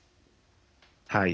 はい。